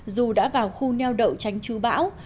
dù đã vào khu neo đậu tránh chú bão